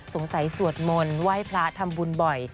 สวดมนต์ไหว้พระทำบุญบ่อย